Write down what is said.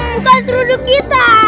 bukan serudu kita